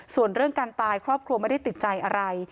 ส่วนเรื่องการตายครอบครัวไม่ได้ติดใจอะไร